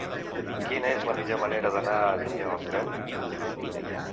Quina és la millor manera d'anar a Avinyó amb tren?